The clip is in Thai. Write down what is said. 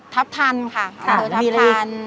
ทับทันค่ะ